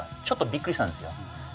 ちょっとびっくりしたんですよ。